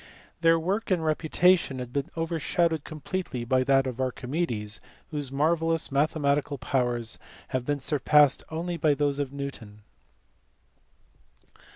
Their work and reputation has been overshadowed completely by that of Archimedes whose marvellous mathematical powers have been surpassed only by those of Newton.